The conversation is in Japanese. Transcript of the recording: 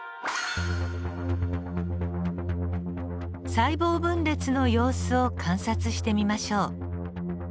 細胞分裂の様子を観察してみましょう。